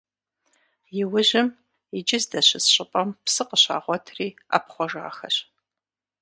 Иужьым, иджы здэщыс щӏыпӏэм псы къыщагъуэтри ӏэпхъуэжахэщ.